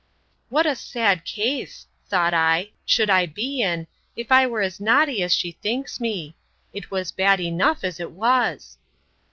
What a sad case, thought I, should I be in, if I were as naughty as she thinks me! It was bad enough as it was.